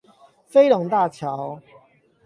飛龍大橋